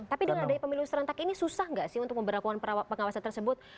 tapi dengan adanya pemilu serentak ini susah nggak sih untuk memperlakukan pengawasan tersebut